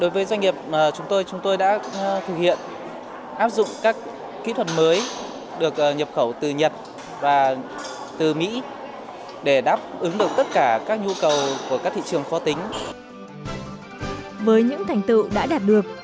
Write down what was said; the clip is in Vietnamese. với những thành tựu đã đạt được